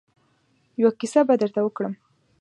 يوه کيسه به درته وکړم.